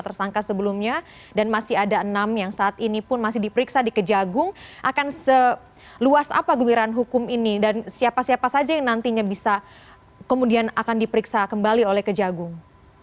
tersangka sebelumnya dan masih ada enam yang saat ini pun masih diperiksa di kejagung akan seluas apa geliran hukum ini dan siapa siapa saja yang nantinya bisa kemudian akan diperiksa kembali oleh kejagung